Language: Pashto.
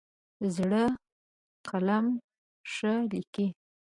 زړه قلم ښه لیکي.